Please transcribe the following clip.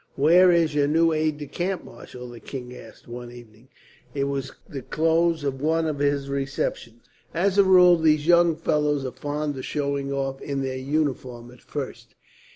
"Where is your new aide de camp, marshal?" the king asked, one evening. It was the close of one of his receptions. "As a rule, these young fellows are fond of showing off in their uniforms, at first."